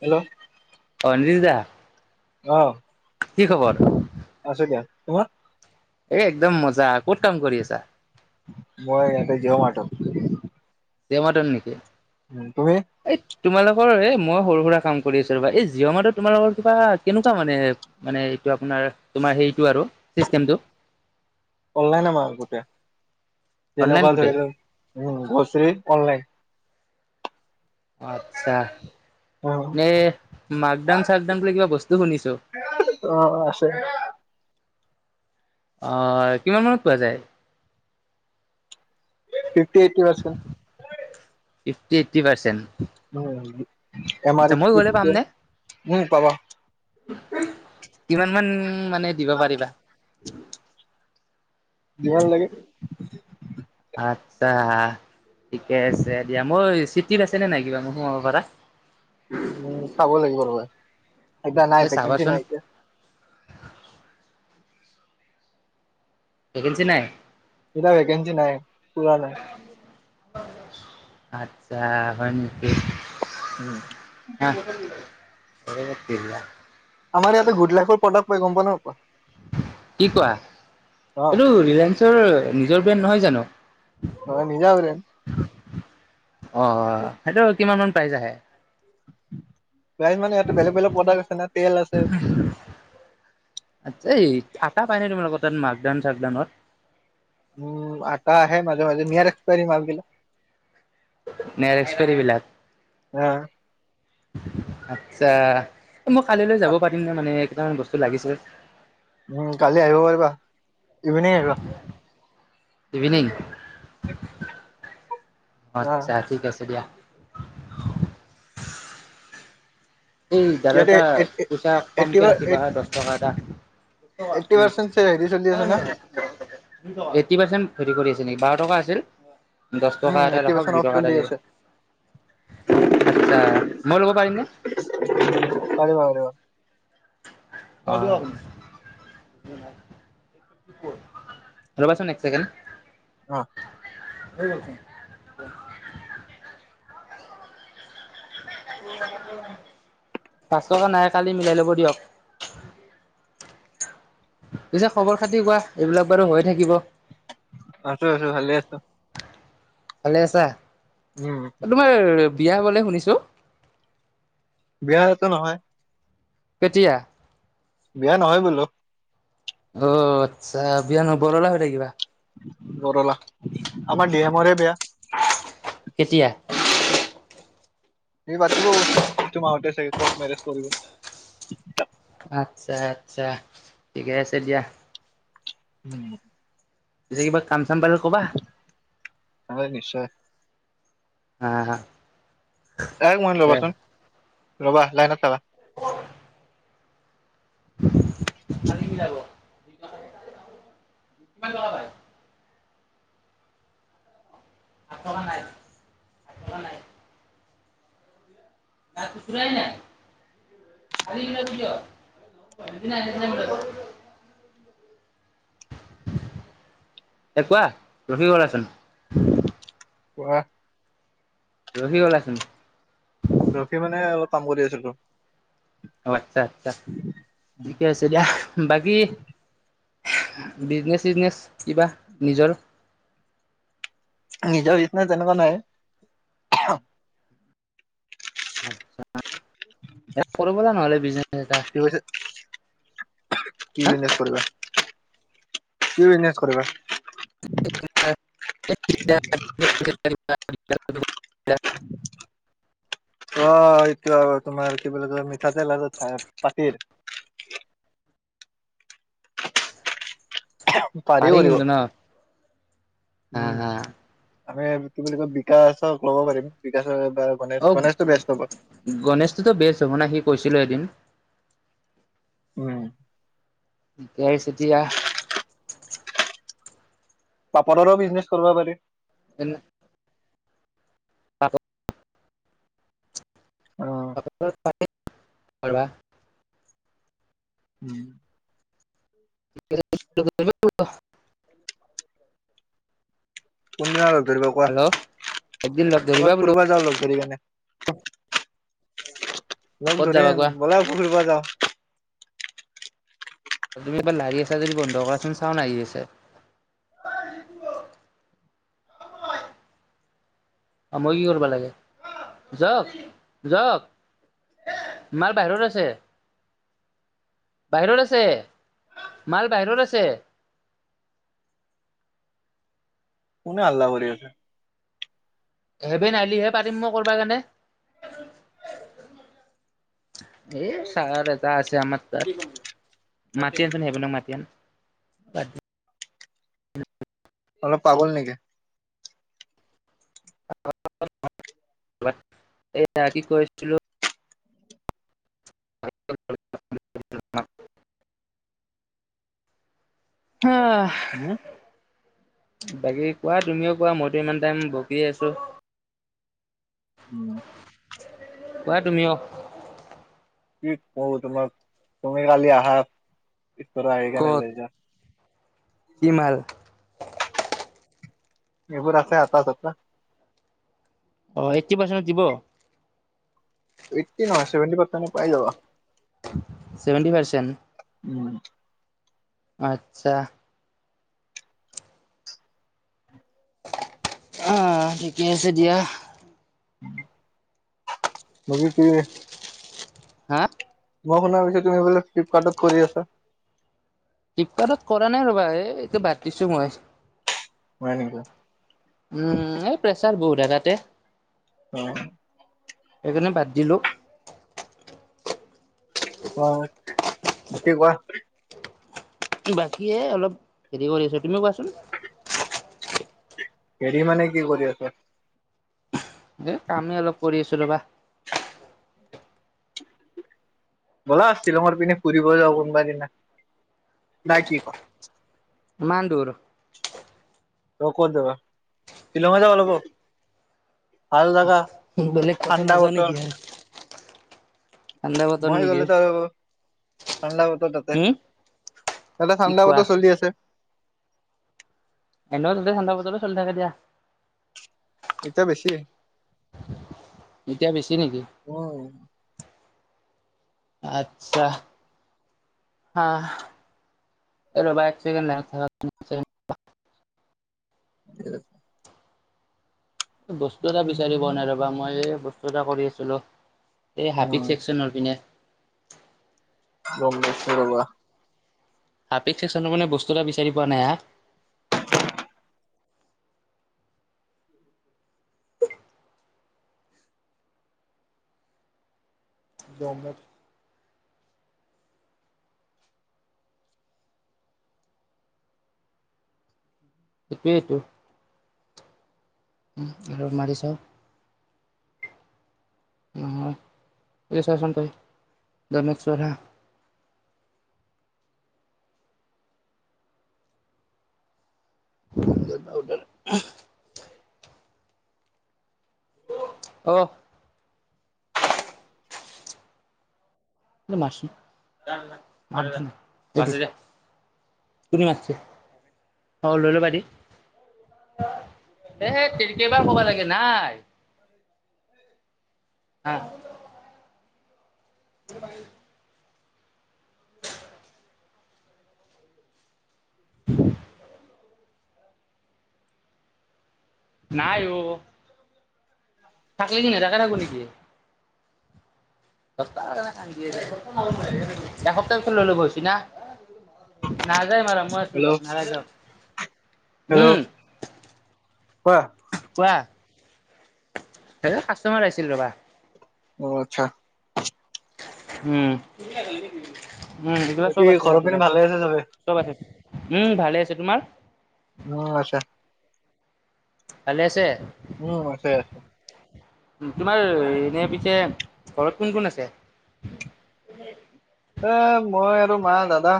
Hello Anil দা আহ কি খবৰ? আছো দিয়া তোমাৰ? এই একদম মজা ক'ত কাম কৰি আছা। উ [unintelligible] চমটান নেকি [unintelligible] উম তুমি এই তোমালোকৰ এই মই সৰু সুৰা কাম কৰি আছো ৰবা এই জিঅ' মাৰ্ট ট তোমালোকৰ কিবা কেনেকুৱা মানে মানে এইটো আপোনাৰ তোমাৰ সেইটো আৰু, চিষ্টেম তো অনলাইন আমাৰ গোটেই অনলাইন যেনেকুৱা গোটেই ধৰি লওক ঘোচৰি অনলাইন আচ্ছা নে মাকডাম চাকডাম বুলি কিবা বস্তু শুনিছো। অ আছে আহ কিমান মানত পোৱা যায় fifty eighty percent fifty eight percent হয় আচ্ছা মই গলে পাম নে? উম পাবা কিমান মান মানে দিব পাৰিবা, যিমান লাগে আচ্ছা ঠিকে আছে, দিয়া, মোৰ চিটিত আছেনে নাই কিবা মই সোমাব পৰা উ চাব লাগিব ৰবা, এতিয়া এই নাই ভেকেঞ্চি চাবাচোন নাই যে ভেকেন্সি নাই? ইতিয়া ভেকেন্সি নাই পোৱা নাই আচ্ছা হয় নেকি। উম হ চতিয়া [unintelligible] আমাৰ ইয়াতে গুট লাখৰ প্ৰডাক্ট গম পোৱা নোপোৱা? কি কোৱা অ এইটো ৰিলায়েন্সৰ নিজৰ ব্ৰেণ্ড নহয় জানো? অ নিজা ব্ৰেণ্ড অ অ সেইটো কিমান মান প্ৰাইজ আহে। প্ৰাজ মানে ইয়ো বেলেগ বেলেগ প্ৰডাক্ট আছে না তেল আছে। আচ্ছা এই থটা পাই ন তুমিালোকৰ তাত মাকডাউন চাকডাউত। মো আটা আহে মাজে মাজে মি আৰা এক্সপেৰি মালগিলা। নেৰেসপেৰি বিলাক। মালবিলাক আচ্ছা । মই কালিলৈ যাব পাৰিম নে মানে। কেইটামান বস্তু লাগিছে। উম কালি আহিব পাৰিবা ইভিনিং আহিবা। ইভিনিং। [unintelligible] আহ আচ্ছা ঠিক আছে দিয়া। [unintelligible] এই জাৰৰ ইয়াতে এটা পইচা এইট্টি কমকে ৰাখিবা হয় দছ টকা এটা। এইট্টি পাৰ্চেণ্ট হেৰি চলি আছে না এইটি পাৰ্চেন্ট হেৰি কৰি আছে নেকি বাৰ টকা আছিল। দছ টকা উম এটা এইট্টি ৰাখক পাৰ্চেণ্ট দুই অফ টকা এটা চলি আছে দিব আচ্ছা মই ল'ব পাৰিম নে। পাৰিবা পাৰিবা। ৰবাচোন এক কেণ্ড। অ। [unintelligible] পাঁচ টকা নাই কালি মিলাই ল'ব দিয়ক। পিছে খবৰ খাতি কোৱা এইবিলাক বাৰু হৈ থাকিব। আছো আছো ভালে আছো। ভালে আছা। উম তুমাৰ এ। বিয়া বুলি শুনিছোঁ। সেয়াটো নহয়। কেতিয়া। বিয়া নহয় বোলো। অ আচ্ছা বিয়ান বৰলা হৈ থাকিবা। বৰলা আমাৰ ডিয়মৰে বেয়া। কেতিয়া সি পাতিব তোমাহতে চাগে কৰ্ট মেৰেজ কৰিব। আচ্ছা আচ্ছা ঠিকে আছে দিয়া। উম। আজি কিবা। কামচাম পালে কবা। হয় নিশ্চয় হা হা। এক মই ঠিকে ন'বচোও। আছে ৰ'বা লাইন থাকা। [unintelligible] কালি মিলাব। কিমান টকা পাই আকবা নাইট আকবা নাইট খুচুৰাই নাই কালি মিলাব দিয়ক এ কোৱা? ৰখি গ'লা চোন। কোৱা? ৰখি গলা চোন। ৰখি মানে অলপ কাম কৰি আছিলো। অ' আচ্ছা আচ্ছা, ঠিকে আছে দিয়া বাকী বিজনেচ চিজনেচ কিবা নিজৰ। নিজৰ বিজনেচ তেনেকুৱা নাই। কৰিব ব'লা নহ'লে বিজনেছ এটা কি কৈছে? কি হা বিজনেছ কৰিবা? কি বিজনেছ কৰিবা? [unintelligible] অ'। [unintelligible] তোমাৰ কি বুলি কয় মিঠাতেল আৰু ধা - পাটিৰ। পাৰি কৰিব। কিন্তু ন হা উম। হা আমি কি বুলি কয় বিকাছ'ক ল'ব পাৰিম বিকাছৰ অ' গণেছটোতো বেষ্ট হব না সি কৈছিলে এদিন। উম। ঠিকে আছে দিয়া। পাপৰৰো বিজনেছ কৰবা পাৰি। এনে তা ক অ পাপৰৰ পাৰি কৰবা। উম। [unintelligible] [inaudible] কোনদিনা লগ ধৰিবা কোৱা? একদিন লগ ধৰিবা কবাত বোলো ফুৰবা যাওঁ লগ ধৰি কেন। [unintelligible] লগ ক'ত যাবা ধৰিম কোৱা ব'লা ফুৰব যাওঁ। তুমি এবাৰ লাৰি আছা যদি বন্ধ কৰাচোন চাওন আহি আছে। [unintelligible] অ' মই কি কৰবা লাগে? যক যক। মাল বাহিৰত আছে। বাহিৰত আছে। [unintelligible] মাল বাহিৰত আছে। কোনে হাল্লা কৰি আছে? হেবেন আইলিহে পাৰিম মই কৰবা কাৰণে। [unintelligible] এ ছাৰ এটা আইছি আমাৰ তাত। মাতি আনচোন হেবেনক মাতি আনি। বাদ দি, [unintelligible] অলপ পাগল নেকি? [unintelligible] এয়া কি কৈ আছিলো? [unintelligible] হম। বাকী কোৱা তুমিও কোৱা, মইতো ইমান টাইম বকিয়ে আছো, উম কোৱা তুমিও? কি কওঁ তোমাক, তুমি কালি আহা। ইছ ক'ত আহাইগানলজ [unintelligible] কি মাল? [inaudible] এইবোৰ আছে আটা-ছাটা। অ', এইট্টি পাৰ্চেণ্ট দিব? অহ' এইট্টি নহয় চেভেন্টি ফাইপ মানত পাই যাবা। ছেভেণ্টি উম। আত্চ্ছা। আহ', ঠিকে আছে দিয়া। বাকী কি? হা'। মই শুনা পাইছোঁ তুমি বোলে ফ্লিপকাৰ্টত কৰি আছা? ফ্লিপকাৰ্টত কৰা নাই ৰ'বা এই এইটো বাতিছো মই। বুঢ়া কেনেকুৱা উম', এই প্ৰেচাৰ বহুত এ তাতে। অ'। সেইকাৰণে বাদ দিলো। বাকী কোৱা? বাকী এ অলপ হেৰি কৰি আছো। তুমি কোৱাচোন? হেৰি মানে কি কৰি আছা? এ কামেই অলপ কৰি আছো ৰবা। ব'লা শ্বিলঙৰ পিনে ফুৰিব যাওঁ কোনবা দিনা, নাই কি ক? ইমান দূৰ । ত ক'ত যাবা? শ্বিলং যাব লাগিব, ভাল জেগা । বেলেগ পচন নাজাই নেকি? ঠাণ্ডা বতৰ মই নেকি গলে ত ঠাণ্ডা বতৰ তাতে, হম তাতে কি কোৱা ঠাণ্ডা চলি আছে। এনে তাতে ঠাণ্ডা বতৰ চলি থাকে দিয়া। এতিয়া বেছি এতিয়া বেছি নেকি? উম আত্চ্ছা, হা'এই ৰবা এক ছেকেণ্ড লাইনত থাকা। [unintelligible] বস্তু এটা বিচাৰি পোৱা নাই ৰ'বা মই এই বস্তু ততা কৰি আছিলোঁ এই হাফিক উম চেকশচনৰ পিনে। বম্বে চাইদৰ ল'ৰা। হাপেক চেকশচনৰ মানে বস্তু এটা বিচাৰি পোৱা নাই হা। [inaudible] গৰমত সেইটোৱেই তো আৰু মাৰি চাওঁ অঁ, এ চা চোন‌ তই ন [unintelligible] অঁ মাৰছি জ ভ ন [unintelligible] মাতছে যা, কোনে মাতছি, অ লৈ লবা দি হেত তেৰি কেইবাৰ ক'ব লাগে নাই, হাঁ [inaudible] নাই অঁ থাকিলে কি নেদেয়াকে থাকো নেকি এসপ্তাহৰ কাৰণে কান্দি আছি ।এসপ্তাহ পিছত লৈ ল'ব হৈছি না নাযায় মাৰ মই আছো হেল্ল' যক নাযায় যক, হেল্ল' উম কোৱা হে কাষ্টমাৰ আহিছিল ৰবা। অঁ আচ্ছা উম। উম এইগিলা বাকী চব আছে ঘৰৰ পিনে আপোনাৰ ভালে আছে চবে চব আছে উম ভালে আছে তোমাৰ। উম আছা। ভালে আছে উম আছে। তোমাৰ এনে পিছে ঘৰত কোন কোন আছে! এ মই আৰু মা দাদা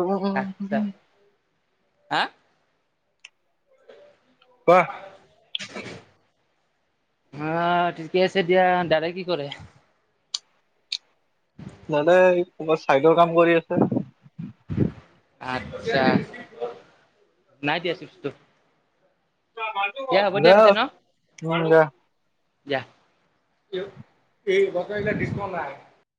উম হোম হাঁ কোৱা [unintelligible] আঁহ ঠিকে আছে দিয়া দাদাই কি কৰে। দাদাই ক'ৰবাত চাইডৰ কাম কৰি আছে। আচ্ছা, নাই দিয়া চুইচ টো উম জা দিয়া। [unintelligible]